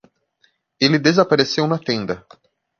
Ele desapareceu na tenda.